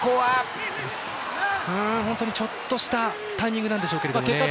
ちょっとしたタイミングなんでしょうけどね。